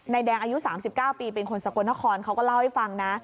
นายแดงอายุสามสิบเก้าปีเป็นคนสะกดนครเขาก็เล่าให้ฟังนะ